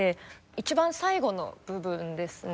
一番最後の部分ですね。